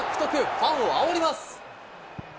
ファンをあおります。